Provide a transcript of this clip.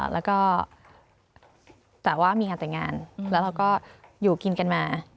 แล้วก็แต่ว่ามีงานแต่งงานแล้วเราก็อยู่กินกันมา